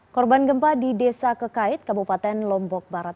korban gempa di desa kekait kabupaten lombok barat